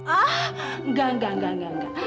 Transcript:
ah enggak enggak enggak enggak